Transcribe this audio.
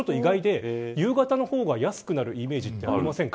夕方の方が安くなるイメージってありませんか。